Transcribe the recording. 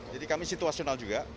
jadi kami situasional juga